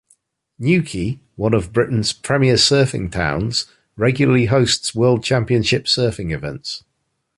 Newquay, one of Britain's "premier surfing towns", regularly hosts world championship surfing events.